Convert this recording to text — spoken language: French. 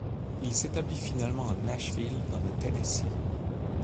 Il s'établit finalement à Nashville dans le Tennessee.